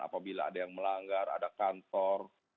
apabila ada yang melanggar ada kantor